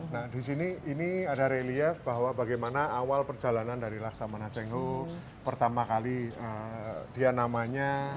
nah di sini ini ada relief bahwa bagaimana awal perjalanan dari laksamana cheng ho pertama kali dia namanya